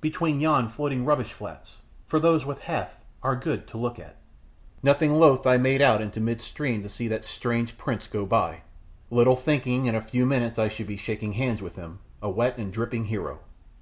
between yon floating rubbish flats, for those with Hath are good to look at." Nothing loth I made out into mid stream to see that strange prince go by, little thinking in a few minutes I should be shaking hands with him, a wet and dripping hero.